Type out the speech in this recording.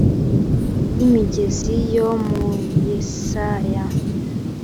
y imigezi yo mu yesaya